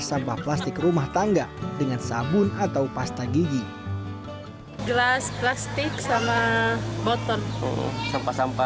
sampah plastik rumah tangga dengan sabun atau pasta gigi gelas plastik sama motor sampah sampah